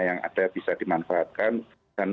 yang ada bisa dimanfaatkan dan